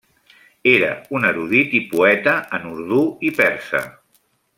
Era un erudit i poeta en urdú i persa.